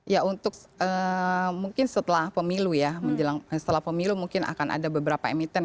ya untuk mungkin setelah pemilu ya setelah pemilu mungkin akan ada beberapa emiten